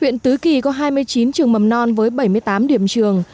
huyện tứ kỳ có hai mươi chín trường mầm non với bảy mươi tám điểm trường